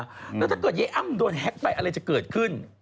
แล้วถ้าเกิดยายอ้ำโดนแฮ็กไปอะไรจะเกิดขึ้น